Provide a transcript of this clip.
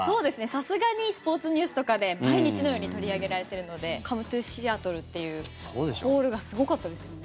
さすがにスポーツニュースとかで毎日のように取り上げられているのでカム・トゥー・シアトルっていうコールがすごかったですよね。